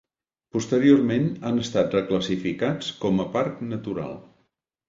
Posteriorment han estat reclassificats com a Parc Natural.